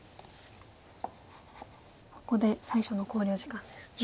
ここで最初の考慮時間ですね。